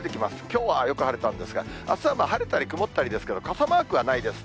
きょうはよく晴れたんですが、あすは晴れたり曇ったりですけど、傘マークはないです。